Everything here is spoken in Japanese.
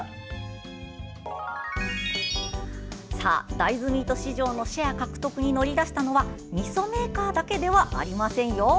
大豆ミート市場のシェア獲得に乗り出したのはみそメーカーだけではありません。